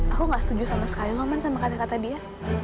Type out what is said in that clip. aku gak setuju sama sekali ngomong sama kata kata dia